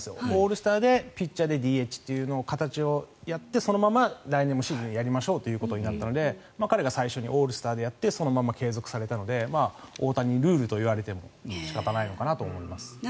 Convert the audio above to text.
オールスターでピッチャーでＤＨという形をやってそのまま来年のシーズンもやりましょうということになったので彼が最初にオールスターでやってそのまま継続されたので大谷ルールといわれても仕方ないのかなと思います。